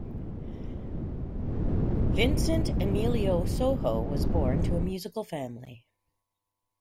Vicente Emilio Sojo was born to a musical family.